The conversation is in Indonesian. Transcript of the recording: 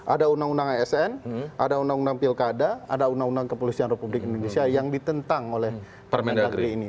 ada undang undang asn ada undang undang pilkada ada undang undang kepolisian republik indonesia yang ditentang oleh permendagri ini